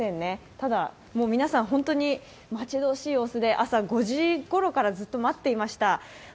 ただ皆さん、本当に待ち遠しい様子で朝５時ごろからずっと待っていました。